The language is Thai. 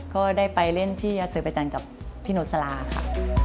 ก็ได้ไปเล่นที่ยาเสิร์ฟอาจารย์กับพี่โน๊ตสลาค่ะ